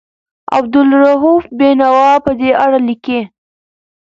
عبدالرؤف بېنوا په دې اړه لیکي.